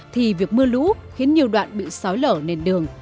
thì việc mưa lũ khiến nhiều đoạn bị sói lở nền đường